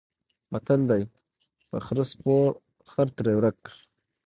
متل دی: په خره سپور خر ترې ورک.